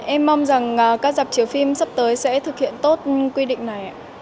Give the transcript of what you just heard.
em mong rằng các giạp chiều phim sắp tới sẽ thực hiện tốt quy định này